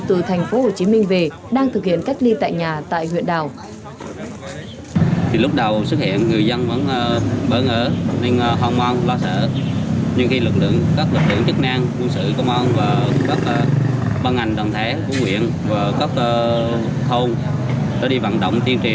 từ thành phố hồ chí minh về đang thực hiện cách ly tại nhà tại huyện đảo